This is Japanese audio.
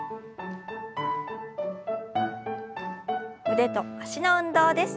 腕と脚の運動です。